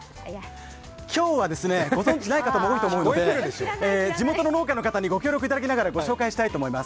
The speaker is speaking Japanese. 今日はご存じない方もいると思いますので地元の農家の方にご協力いただきながらご紹介したいと思います。